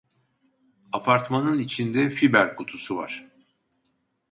Apartmanın içinde fiber kutusu var